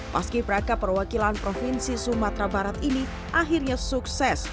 paski braka perwakilan provinsi sumatera barat ini akhirnya sukses